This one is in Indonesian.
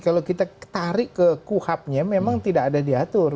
kalau kita tarik ke kuhabnya memang tidak ada diatur